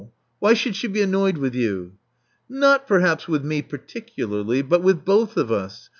Why should she be annoyed with you?" *'Xot perhaps with me particularly. But with both of us.